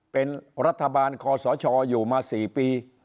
เป็นรัฐบาลคอสชอยู่มา๔ปี